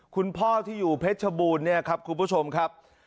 คุณพ่อที่อยู่เพชรบูรณ์เนี่ยครับคุณผู้ชมครับ